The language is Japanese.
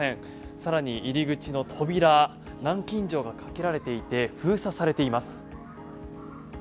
更に入口の扉南京錠がかけられていて封鎖されています。